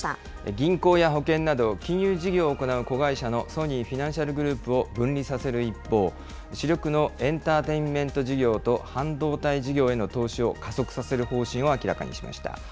銀行や保険など金融事業を行う子会社のソニーフィナンシャルグループを分離させる一方、主力のエンターテインメント事業と半導体事業への投資を加速させる方針を明らかにしました。